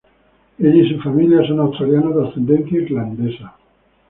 Ella y su familia son australianos de ascendencia irlandesa.